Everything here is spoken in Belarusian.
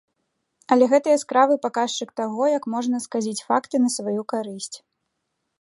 Але гэта яскравы паказчык таго, як можна сказіць факты на сваю карысць.